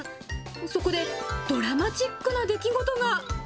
そこで、ドラマチックな出来事が。